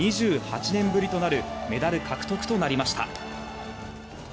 ２８年ぶりとなるメダル獲得となりました。